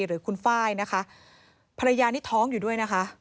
หรือคุณไฟล์นะคะภรรยานี่ท้องอยู่ด้วยนะคะ